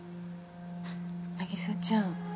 凪沙ちゃん。